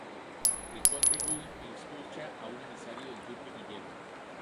El conde Guy escucha a un emisario del duque Guillermo.